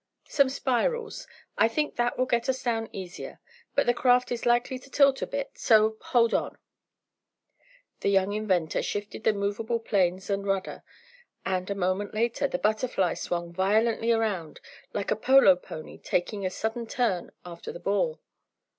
"Some spirals. I think that will let us down easier, but the craft is likely to tilt a bit, so hold on." The young inventor shifted the movable planes and rudder, and, a moment later, the BUTTERFLY swung violently around, like a polo pony taking a sudden turn after the ball.